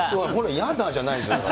やだーじゃないですよ。